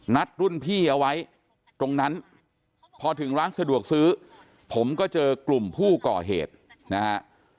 นัดรุ่นพี่เอาไว้ตรงนั้นพอถึงร้านสะดวกซื้อผมก็เจอกลุ่มผู้ก่อเหตุนะฮะ